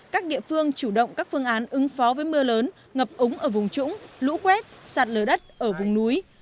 các địa phương chủ động các phương án ứng phó với mưa lớn ngập úng ở vùng trũng lũ quét sạt lở đất ở vùng núi